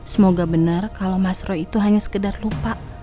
semoga benar kalau mas roy itu hanya sekedar lupa